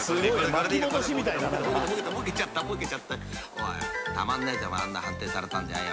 ［おいたまんねえぜあんな判定されたんじゃよ］